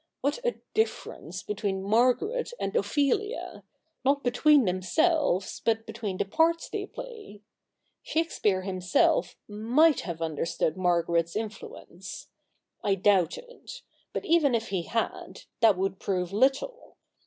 What a difference between Margaret and Ophelia — not between themselves, but between the parts they play ! Shakespeare himself might have understood Margaret's influence. I doubt it. But even if he had, that would prove little.